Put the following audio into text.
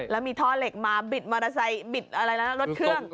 แล้วมีท่อเหล็กมาบิดรถเครื่อง